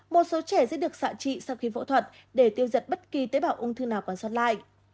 một số trẻ sẽ được xạ trị sau khi phẫu thuật để tiêu diệt bất kỳ tế bào ung thư nào còn sót lại